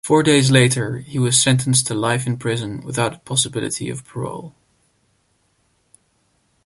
Four days later, he was sentenced to life in prison without possibility of parole.